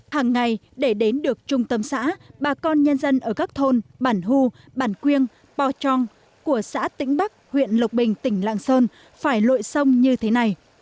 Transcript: hàng ngày để đến được trung tâm xã bà con nhân dân ở các thôn bản hu bản quyêng po trang của xã tĩnh bắc huyện lộc bình tỉnh lạng sơn phải lội sông như thế này